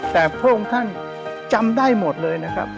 แต่พระองค์ท่านจำได้หมดเลยนะครับ